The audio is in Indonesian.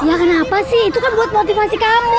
ya kenapa sih itu kan buat motivasi kami